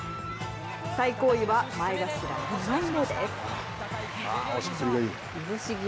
最高位は前頭２枚目です。